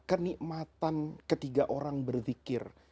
kenikmatan ketiga orang berzikir